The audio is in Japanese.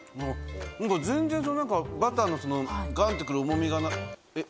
何か全然バターのそのガンってくる重みが。